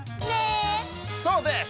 そうです！